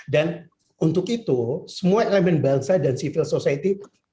dan untuk itu semua elemen bangsa dan masyarakat sivil